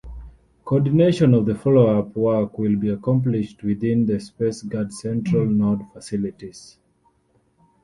Coordination of the follow-up work will be accomplished within the Spaceguard Central Node facilities.